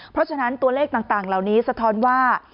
เพราะฉะนั้นตัวเลขต่างเหล่านี้สะท้อนว่า